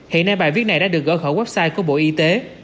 hiện nay bài viết này đã được gỡ khỏi website của bộ y tế